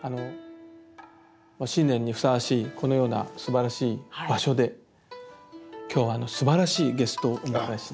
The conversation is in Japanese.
新年にふさわしいこのようなすばらしい場所で今日はすばらしいゲストをお迎えして。